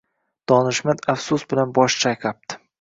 Donishmand afsus bilan bosh chayqabdi: